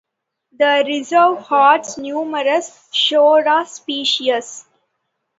The reserve hosts numerous "Shorea" species.